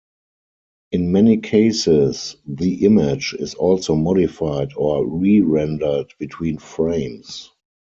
In many cases, the image is also modified or re-rendered between frames.